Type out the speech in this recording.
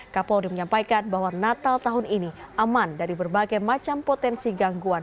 kapolri menyampaikan bahwa natal tahun ini aman dari berbagai macam potensi gangguan